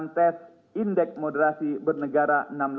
b badan nasional penanggulangan terorisme atau bnpt